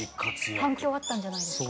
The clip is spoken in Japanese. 反響あったんじゃないですか？